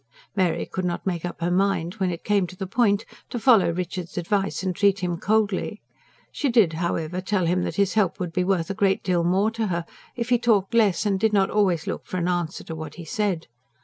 Mary could not make up her mind, when it came to the point, to follow Richard's advice and treat him coldly. She did, however, tell him that his help would be worth a great deal more to her if he talked less and did not always look for an answer to what he said.